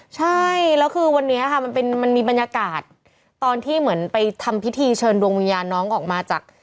ใช่แล้วคือวันนี้ค่ะมันมีบรรยากาศตอนที่เหมือนไปทำพิธีเชิญดวงวิญญาณน้องออกมาจาก